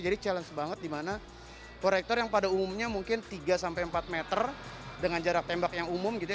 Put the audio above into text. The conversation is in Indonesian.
challenge banget dimana korektor yang pada umumnya mungkin tiga sampai empat meter dengan jarak tembak yang umum gitu ya